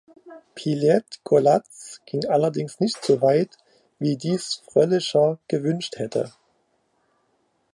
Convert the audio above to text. Pilet-Golaz ging allerdings nicht so weit, wie dies Frölicher gewünscht hätte.